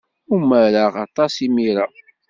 Umareɣ aṭas imir-a.